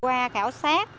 qua khảo sát